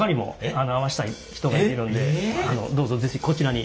どうぞ是非こちらに。